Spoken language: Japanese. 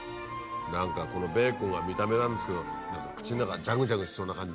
何かこのベーコンが見た目なんですけど何か口の中ジャグジャグしそうな感じでいいね。